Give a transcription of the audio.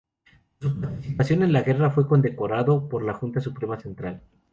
Por su participación en la guerra fue condecorado por la Junta Suprema Central.